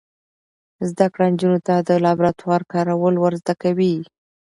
زده کړه نجونو ته د لابراتوار کارول ور زده کوي.